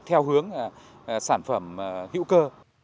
theo hướng sản phẩm hữu cơ